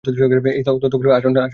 এই আত্মতত্ত্ব আচণ্ডাল সবাইকে বলবি।